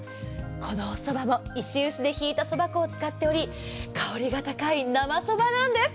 このおそばも石臼で挽いたそば粉を使っており香りが高い生そばなんです。